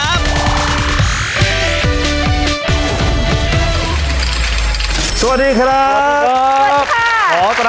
สวัสดีครับสวัสดีครับสวัสดีครับสวัสดีครับสวัสดีครับ